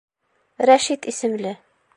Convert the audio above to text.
Рәшит исемле.